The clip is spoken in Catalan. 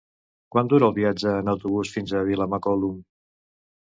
Quant dura el viatge en autobús fins a Vilamacolum?